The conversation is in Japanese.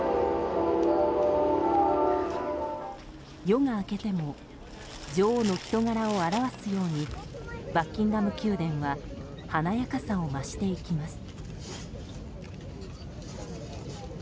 夜が明けても女王の人柄を表すようにバッキンガム宮殿は華やかさを増しています。